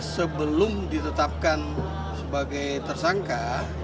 sebelum ditetapkan sebagai tersangka